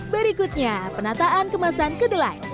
berikutnya penataan kemasan kedelai